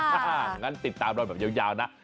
อย่างงั้นติดตามรอยแยวนะ